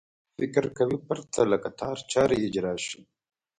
فکر کوي پرته له کتار چارې اجرا شي.